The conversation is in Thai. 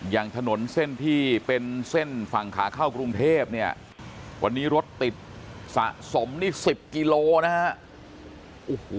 อย่างถนนเส้นที่เป็นเส้นฝั่งขาเข้ากรุงเทพเนี่ยวันนี้รถติดสะสมนี่๑๐กิโลนะฮะ